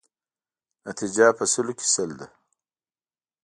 نتیجه په سلو کې سل ده.